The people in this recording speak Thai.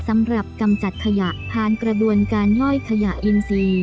สำหรับกำจัดขยะผ่านกระดวนการย่อยขยะอินทรีย์